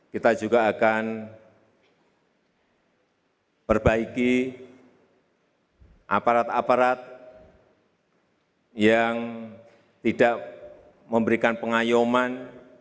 kita juga akan perbaiki aparat aparat yang tidak memberikan pengayuman